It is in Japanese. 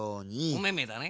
おめめだね。